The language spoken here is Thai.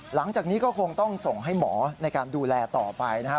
หลังจากนี้ก็คงต้องส่งให้หมอในการดูแลต่อไปนะครับ